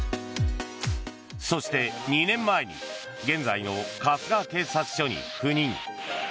そして、２年前に現在の春日警察署に赴任。